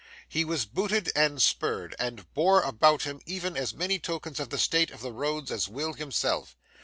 He was booted and spurred, and bore about him even as many tokens of the state of the roads as Will himself.